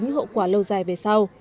những hậu quả lâu dài về sau